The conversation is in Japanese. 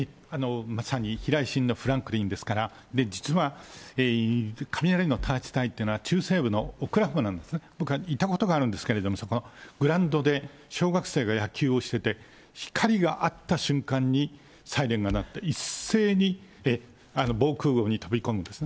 まさに避雷針のフランクリンですから、実は雷の多発帯というのは、中西部のオクラホマなんですね、僕は行ったことがあるんですけれども、そこはグラウンドで小学生が野球をしてて、光があった瞬間にサイレンが鳴って、一斉に防空ごうに飛び込むんですね。